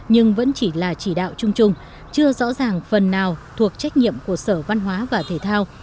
nhưng vẫn chỉ là chỉ đạo chung chung chưa rõ ràng phần nào thuộc trách nhiệm của sở văn hóa và thể thao